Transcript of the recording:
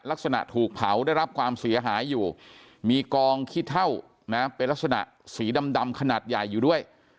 ลักษณะถูกเผาได้รับความเสียหายอยู่มีกองขี้เท่านะเป็นลักษณะสีดำขนาดใหญ่อยู่ด้วย